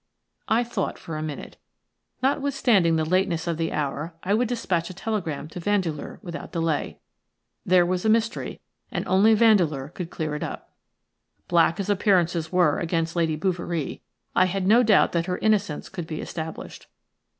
I thought for a minute. Notwithstanding the lateness of the hour, I would dispatch a telegram to Vandeleur without delay. There was a mystery, and only Vandeleur could clear it up. Black as appearances were against Lady Bouverie, I had no doubt that her innocence could be established.